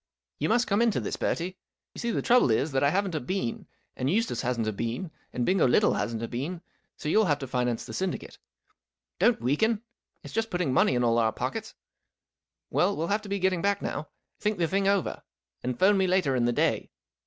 You must come into this, Bertie. You see, the trouble is that I haven't a bean, and Eustace hasn't a bean, and Bingo Little hasn't a bean, so you'll have to finance the syndicate. Don't weaken ! It's just putting money in all our pockets. Well, we '11 have to be getting back now. Think the thing over, and 'phone me later in the day.